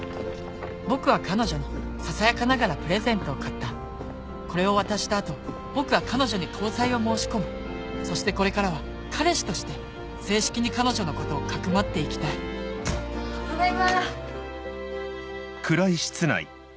僕は彼女にささやかながらプレゼントを買ったこれを渡した後僕は彼女に交際を申し込むそしてこれからは彼氏として正式に彼女のことを匿って行きたいただいま！